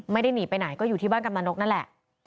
ไม่ได้หนีไปไหนก็อยู่ที่บ้านกำนันนกนั่นแหละ